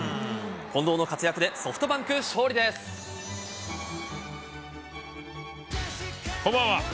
近藤の活躍で、ソフトバンクこんばんは。